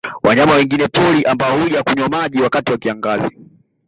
Wanyama wengine wa pori ambao huja kunywa maji wakati wa kiangazi